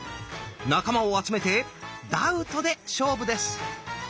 仲間を集めて「ダウト」で勝負です！